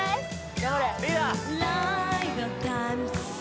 ・頑張れ！